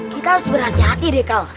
kita harus berhati hati deh kalau